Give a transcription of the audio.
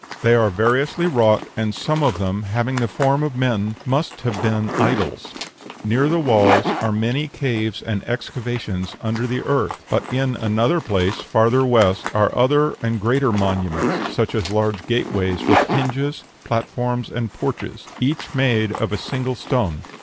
They are variously wrought, and some of them, having the form of men, must have been idols. Near the walls are many caves and excavations under the earth; but in another place, farther west, are other and greater monuments, such as large gate ways with hinges, platforms, and porches, each made of a single stone.